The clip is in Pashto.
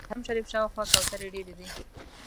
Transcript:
د حرم شریف شاوخوا کوترې ډېرې دي.